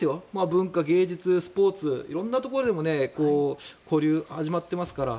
文化、芸術、スポーツ色んなところでも交流が始まってますから。